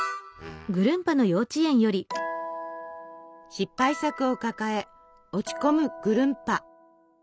失敗作を抱え落ち込むぐるんぱ。